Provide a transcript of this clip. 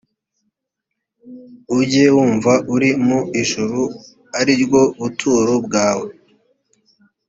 ujye wumva uri mu ijuru ari ryo buturo bwawe